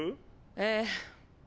ええ。